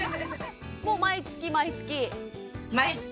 もう毎月毎月？